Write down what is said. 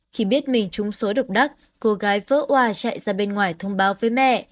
khi biết mình trúng số độc đắc cô gái vỡ oa chạy ra bên ngoài thông báo với mẹ